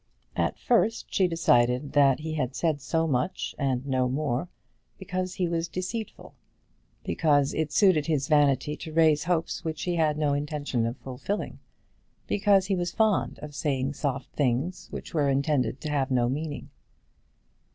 At first she decided that he had said so much and no more because he was deceitful because it suited his vanity to raise hopes which he had no intention of fulfilling because he was fond of saying soft things which were intended to have no meaning.